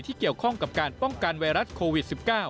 เกี่ยวข้องกับการป้องกันไวรัสโควิด๑๙